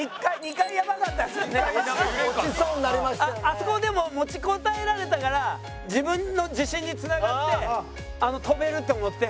あそこでも持ちこたえられたから自分の自信に繋がって飛べるって思って。